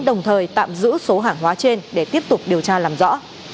đồng thời tạm giữ số hàng hóa trên để tiếp tục điều tra làm rõ